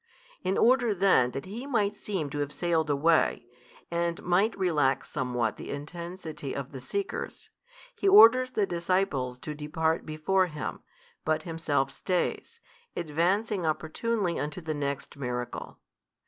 In order then that He might seem to have sailed away, and might relax somewhat the intensity of the seekers, He orders the disciples to depart before Him, but Himself stays, advancing opportunely unto the next miracle.